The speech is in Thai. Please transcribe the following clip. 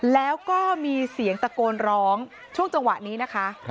แล้วก็มีเสียงตะโกนร้องช่วงจังหวะนี้นะคะ